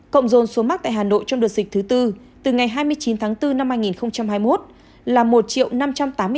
cộng dồn số mắc tại hà nội trong đợt dịch thứ tư từ ngày hai mươi chín tháng bốn năm hai nghìn hai mươi một là một năm trăm tám mươi sáu sáu trăm bốn mươi năm ca